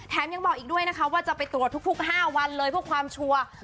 ยังบอกอีกด้วยนะคะว่าจะไปตรวจทุก๕วันเลยเพื่อความชัวร์